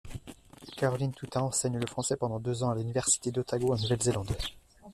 Caroline Toutain enseigne le français pendant deux ans à l'université d'Otago en Nouvelle-Zélande.